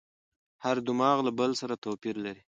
هر دماغ له بل سره توپیر لري.